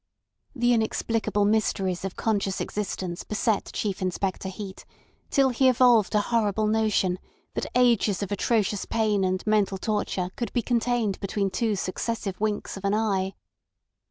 The inexplicable mysteries of conscious existence beset Chief Inspector Heat till he evolved a horrible notion that ages of atrocious pain and mental torture could be contained between two successive winks of an eye.